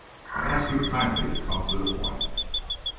I will ask you kindly to come to the point."